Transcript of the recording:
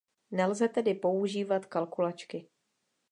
Nelze tedy používat kalkulačky.